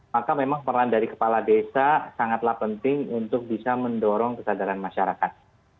maka memang peran dari kepala desa sangatlah penting untuk bisa mendorong kesadaran masyarakat